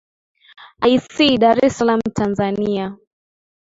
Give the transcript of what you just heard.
ic dare s salam tanzania